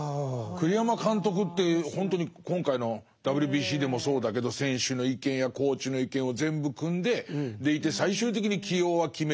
栗山監督ってほんとに今回のＷＢＣでもそうだけど選手の意見やコーチの意見を全部くんででいて最終的に起用は決めると。